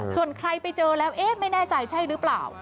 ส่วนใครไปเจอแล้วเอ๊ะไม่แน่ใจใช่หรือเปล่า